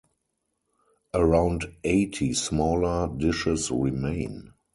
Around eighty smaller dishes remain.